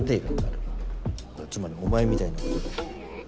つまりお前みたいな事だ。